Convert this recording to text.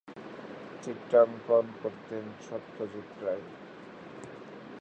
চিত্রাঙ্কন করতেন সত্যজিৎ রায়।